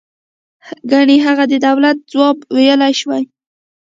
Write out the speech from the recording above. گني هغه د دولت ځواب ویلای شوی.